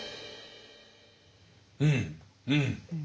うんうん。